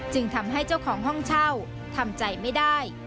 จึงทำให้เจ้าของห้องเช่าทำใจไม่ได้